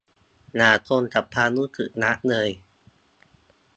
อย่าจมกับความรู้สึกนักเลย